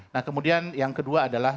nah kemudian yang kedua adalah